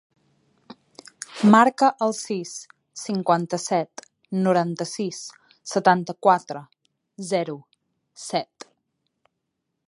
Marca el sis, cinquanta-set, noranta-sis, setanta-quatre, zero, set.